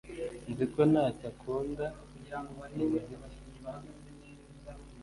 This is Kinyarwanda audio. nzi ko nancy akunda umuziki